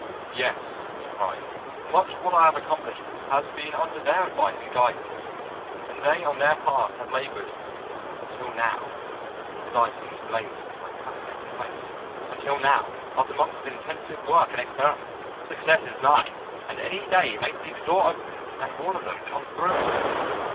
"'Yes,' he cried, 'much of what I have accomplished has been under their advice and guidance; and they on their part have labored; until now' his eyes suddenly blazed into my fascinated face 'until now, after months of intensive work and experiment, success is nigh, and any day may see the door opened and one of them come through!'